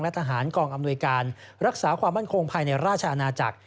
ทหารกองอำนวยการรักษาความมั่นคงภายในราชอาณาจักร